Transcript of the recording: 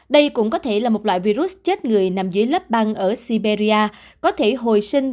đây cũng có thể là một loại virus chết người nằm dưới lớp băng ở siberia có thể hồi sinh